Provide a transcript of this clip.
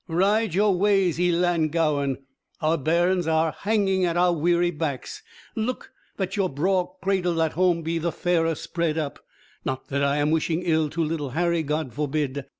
Ride your ways, Ellan gowan! Our bairns are hanging at our weary backs; look that your braw cradle at home be the fairer spread up. Not that I am wishing ill to little Harry, God forbid!